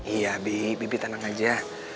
iya bi bibi tenang aja